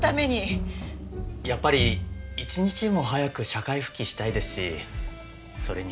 やっぱり一日も早く社会復帰したいですしそれに。